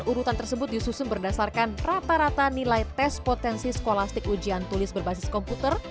urutan tersebut disusun berdasarkan rata rata nilai tes potensi skolastik ujian tulis berbasis komputer